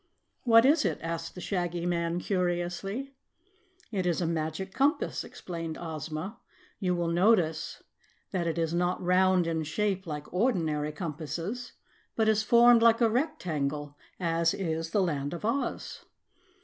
"What is it?" asked the Shaggy Man curiously. "It is a Magic Compass," explained Ozma. "You will notice that it is not round in shape like ordinary compasses, but is formed like a rectangle, as is the Land of Oz."